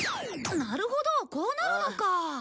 なるほどこうなるのか。